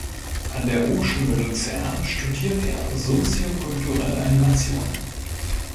An der Hochschule Luzern studiert er Soziokulturelle Animation.